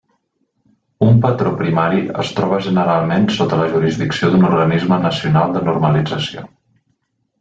Un patró primari es troba generalment sota la jurisdicció d'un organisme nacional de normalització.